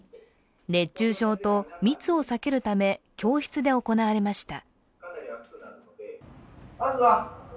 熱中症と密を避けるため、教室で行われました。